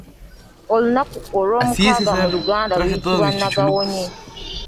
Olunaku olw'omukaaga mu luganda luyitibwa Nagawonye.